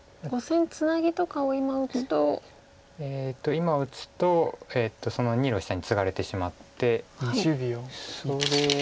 今打つとその２路下にツガれてしまってそれ。